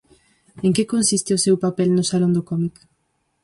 En que consiste o seu papel no salón do cómic?